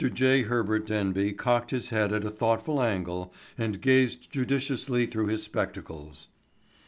J. Herbert Denby cocked his head at a thoughtful angle and gazed judicially through his spectacles.